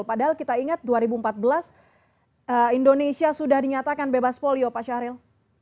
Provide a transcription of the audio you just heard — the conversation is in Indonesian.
padahal kita ingat dua ribu empat belas indonesia sudah dinyatakan bebas polio pak syahril